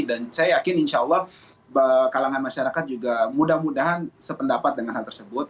dan saya yakin insya allah kalangan masyarakat juga mudah mudahan sependapat dengan hal tersebut